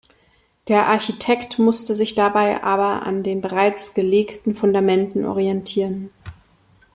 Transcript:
Der Architekt musste sich dabei aber an den bereits gelegten Fundamenten orientieren.